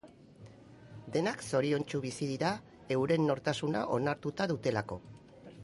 Denak zoriontsu bizi dira, euren nortasuna onartuta dutelako.